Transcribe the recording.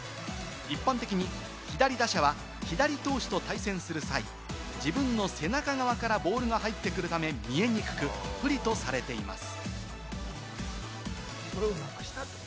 一般的に左打者は左投手と対戦する際、自分の背中側からボールが入ってくるため、見えにくく、不利とされています。